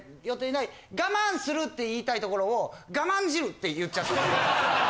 我慢するって言いたいところを我慢汁って言っちゃったり。